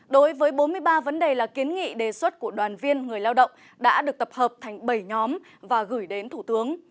đối với bốn mươi ba vấn đề là kiến nghị đề xuất của đoàn viên người lao động đã được tập hợp thành bảy nhóm và gửi đến thủ tướng